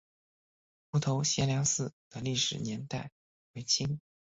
湖头贤良祠的历史年代为清。